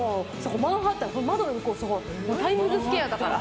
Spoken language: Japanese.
マンハッタン、窓の向こうはタイムズスクエアだから。